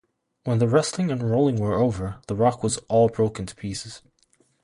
When the wrestling and rolling were over, the rock was all broken to pieces.